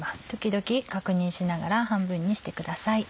時々確認しながら半分にしてください。